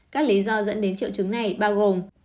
các lý do dẫn đến triệu chứng này bao gồm